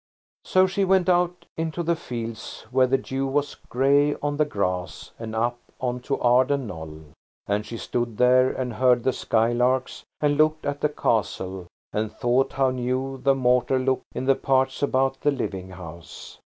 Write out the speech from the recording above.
So she went out into the fields where the dew was grey on the grass, and up on to Arden Knoll. And she stood there and heard the skylarks, and looked at the castle and thought how new the mortar looked in the parts about the living house.